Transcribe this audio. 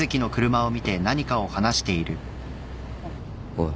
おい。